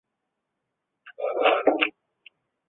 这是他到檀香山学会的第一个夏威夷语句子。